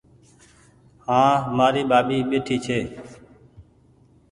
هآنٚ مآري ٻآٻي ٻيٺي ڇي